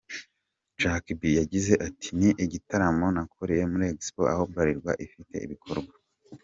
com, Jack B yagize ati “Ni igitaramo nakoreye muri Expo aho Bralirwa ifite ibikorwa.